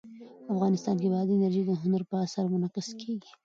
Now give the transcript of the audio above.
افغانستان کې بادي انرژي د هنر په اثار کې منعکس کېږي.